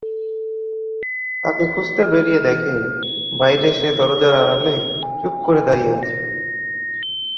তাকে খুঁজতে বেরিয়ে দেখে বাইরে সে দরজার আড়ালে চুপ করে দাঁড়িয়ে আছে।